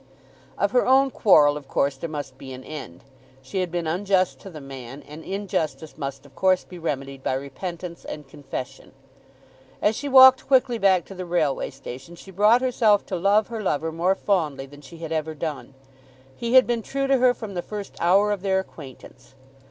Of her own quarrel of course there must be an end. She had been unjust to the man, and injustice must of course be remedied by repentance and confession. As she walked quickly back to the railway station she brought herself to love her lover more fondly than she had ever done. He had been true to her from the first hour of their acquaintance.